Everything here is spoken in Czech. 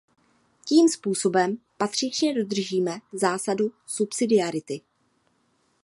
Tím způsobem patřičně dodržíme zásadu subsidiarity.